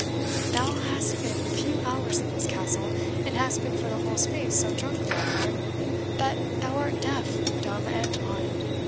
"Thou hast been few hours in this Castle, and hast been for the whole space so drunk, Lambourne, that thou art deaf, dumb, and blind.